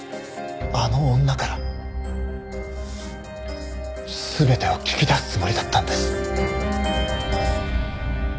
あの女から全てを聞き出すつもりだったんです。